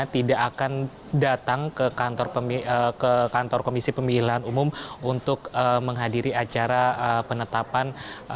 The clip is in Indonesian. tidak akan datang ke kantor komisi pemilihan umum untuk menghadiri acara penetapan